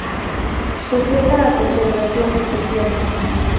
Sujeta a Conservación especial.